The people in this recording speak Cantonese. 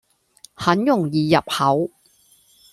很容易入口